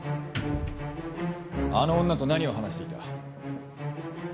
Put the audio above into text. あの女と何を話していた？